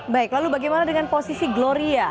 baik lalu bagaimana dengan posisi gloria